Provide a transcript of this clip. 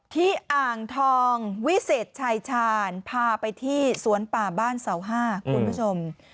อ่างทองวิเศษชายชาญพาไปที่สวนป่าบ้านเสาห้าคุณผู้ชม